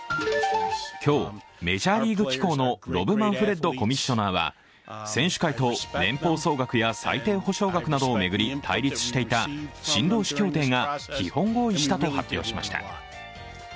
今日、メジャーリーグ機構のロブ・マンフレッドコミッショナーは、選手会と年俸総額や最低補償額などを巡り対立していた新労使協定が基本合意したと発表しました。